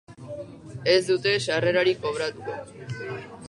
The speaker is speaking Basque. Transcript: Ez dute sarrerarik kobratuko.